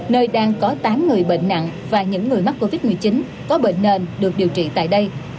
nơi đang có tám người bệnh nặng và những người mắc covid một mươi chín có bệnh nền được điều trị tại đây